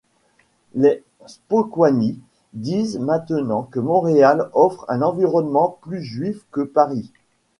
Les Spokoiny disent maintenant que Montréal offre un environnement plus juif que Paris!